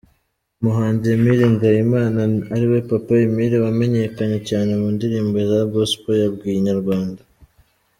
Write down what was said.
Umuhanzi Emile Nzeyimana ariwe Papa Emile wamenyekanye cyane mu ndirimbo za Gospel, yabwiye Inyarwanda.